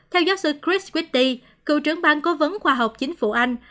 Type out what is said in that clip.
theo giáo sư chris witti cựu trưởng bang cố vấn khoa học chính phủ anh